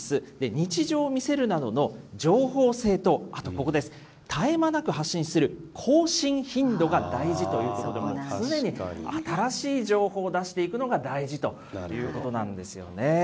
日常を見せるなどの情報性と、あとここです、絶え間なく発信する更新頻度が大事ということで、もう常に新しい情報を出していくのが大事ということなんですよね。